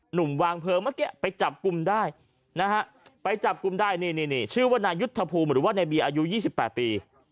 หนุ่มวางเพลิงไปจับกุมได้ชื่อว่านายุทธภูมิหรือว่าในเบียร์อายุ๒๘ปี